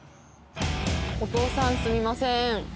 お父さんすみません。